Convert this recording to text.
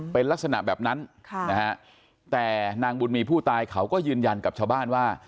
เป็นลักษณะแบบนั้นแต่นางบุญมีผู้ตายเขาก็ยืนยันกับชาวบ้านว่า